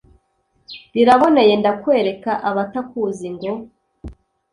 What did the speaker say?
biraboneye, ndakwereka abatakuzi, ngo